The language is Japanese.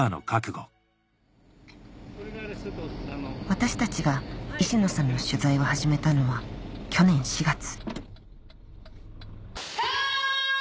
私たちが石野さんの取材を始めたのは花月！